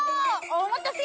お待たせ！